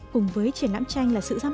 cùng với triển lãm tranh là sự ra mắt